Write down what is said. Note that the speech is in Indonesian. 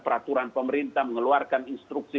peraturan pemerintah mengeluarkan instruksi